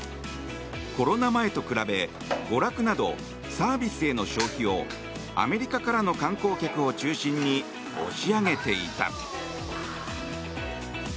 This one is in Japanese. コロナ前と比べて娯楽などサービスでの消費をアメリカからの観光客を中心に押し上げていた。